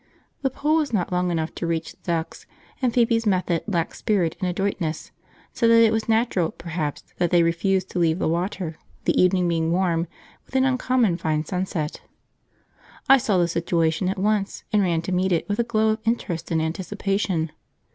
The pole was not long enough to reach the ducks, and Phoebe's method lacked spirit and adroitness, so that it was natural, perhaps, that they refused to leave the water, the evening being warm, with an uncommon fine sunset. {They ... waddle under the wrong fence: p22.jpg} I saw the situation at once and ran to meet it with a glow of interest and anticipation.